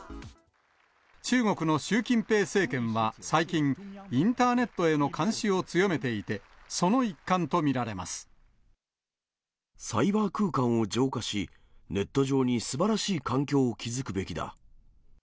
中国の習近平政権は最近、インターネットへの監視を強めていて、サイバー空間を浄化し、ネット上にすばらしい環境を築くべきだ。